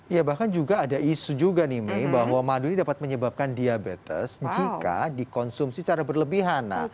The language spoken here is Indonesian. ya bahkan juga ada isu juga nih mi bahwa madu ini dapat menyebabkan diabetes jika dikonsumsi secara berlebihan